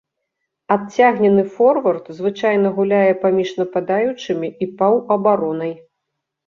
Адцягнены форвард звычайна гуляе паміж нападаючымі і паўабаронай.